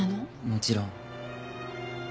もちろん。